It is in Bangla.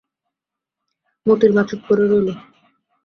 মোতির মা চুপ করে রইল।